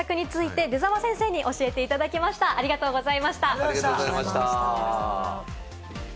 きょうは足のつりの対策について、出沢先生に教えていただきました、ありがとうございました。